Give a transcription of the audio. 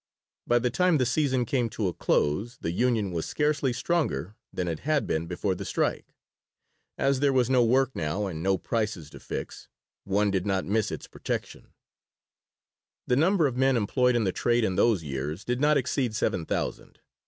By the time the "season" came to a close the union was scarcely stronger than it had been before the strike. As there was no work now, and no prices to fix, one did not miss its protection The number of men employed in the trade in those years did not exceed seven thousand.